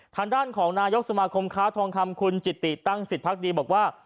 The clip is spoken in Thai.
ทางด้านของนายกสมาคมค้าทองคำคุณจิติตั้งสิทธิพักดีบอกว่า